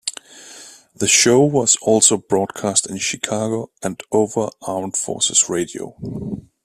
The show was also broadcast in Chicago and over Armed Forces Radio.